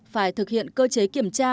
phải thực hiện cơ chế kiểm tra